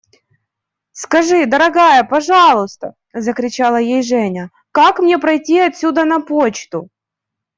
Скажи, дорогая, пожалуйста, – закричала ей Женя, – как мне пройти отсюда на почту?